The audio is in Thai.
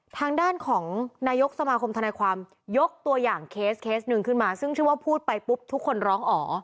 ทางด้านของนายกสมาคมธนายความยกตัวอย่างเคสเคสหนึ่งขึ้นมาซึ่งชื่อว่าพูดไปปุ๊บทุกคนร้องอ๋อ